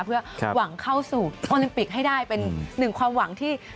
เพื่อหวังเข้าสู่โอลิมปิกให้ได้เป็นหนึ่งความหวังที่